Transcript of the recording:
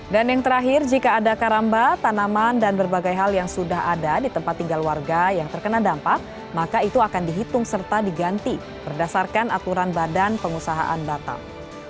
dan yang terakhir jika ada karamba tanaman dan berbagai hal yang sudah ada di tempat tinggal warga yang terkena dampak maka itu akan dihitung serta diganti berdasarkan aturan badan pengusahaan datang